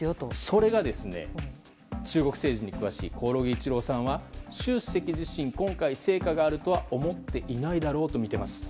それが、中国政治に詳しい興梠一郎さんは習主席自身、今回成果があるとは思ってないだろうとみています。